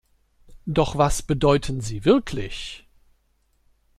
Doch was bedeuten sie wirklich?